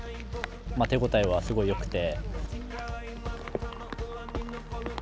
手応えはすごくよくて。